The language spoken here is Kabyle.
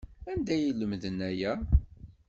Anda ay lemden aya?